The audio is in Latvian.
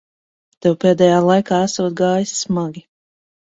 Tev pēdējā laikā esot gājis smagi.